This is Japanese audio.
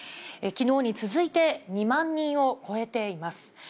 きのうに続いて２万人を超えています。